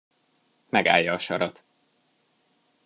Megállja a sarat.